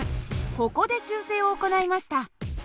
ここで修正を行いました。